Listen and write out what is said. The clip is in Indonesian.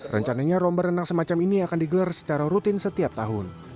rencananya lomba renang semacam ini akan digelar secara rutin setiap tahun